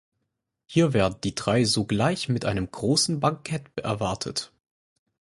Hier werden die drei sogleich mit einem großen Bankett erwartet.